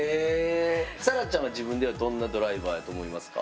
さらちゃんは自分ではどんなドライバーやと思いますか？